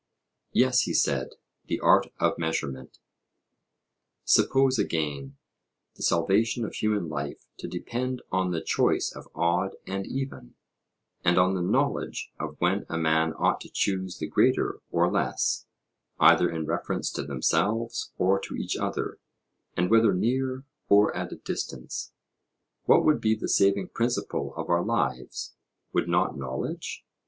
Yes, he said, the art of measurement. Suppose, again, the salvation of human life to depend on the choice of odd and even, and on the knowledge of when a man ought to choose the greater or less, either in reference to themselves or to each other, and whether near or at a distance; what would be the saving principle of our lives? Would not knowledge?